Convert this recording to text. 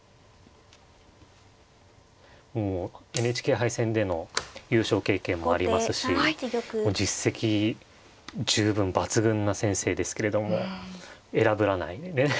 もうＮＨＫ杯戦での優勝経験もありますし実績十分抜群な先生ですけれども偉ぶらないでね